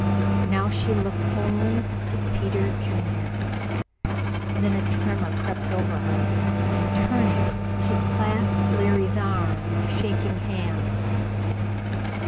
Now she looked only at Peter Junior. Then a tremor crept over her, and, turning, she clasped Larry's arm with shaking hands.